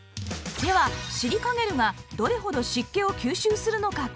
ではシリカゲルがどれほど湿気を吸収するのか検証！